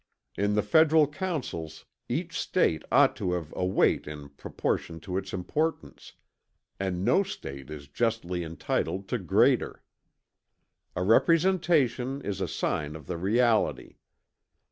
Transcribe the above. In the federal councils, each State ought to have a weight in proportion to its importance; and no State is justly entitled to greater. A representation is a sign of the reality.